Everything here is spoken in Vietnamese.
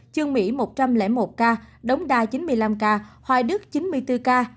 chương mỹ một trăm linh một ca đống đa chín mươi năm ca hoài đức chín mươi bốn ca